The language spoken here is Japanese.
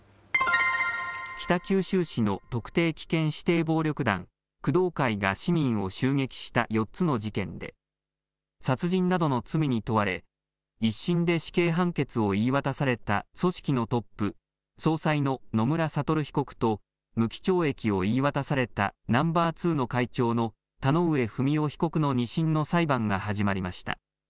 北九州市の特定危険指定暴力団工藤会が市民を襲撃した４つの事件で殺人などの罪に問われ、１審で死刑判決を言い渡された組織のトップ、総裁の野村悟被告と無期懲役を言い渡されたナンバー２の会長の田上不美夫被告の２審の裁判が始まりました。